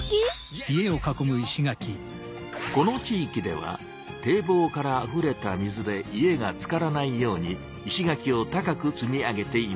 この地いきでは堤防からあふれた水で家がつからないように石垣を高く積み上げていました。